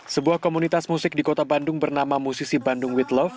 sebuah komunitas musik di kota bandung bernama musisi bandung with love